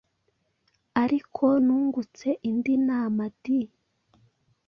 Ariko nungutse indi nama di!: